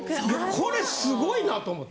これすごいなと思って。